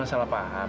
ya cuma salah paham